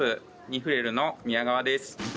ニフレルの宮川です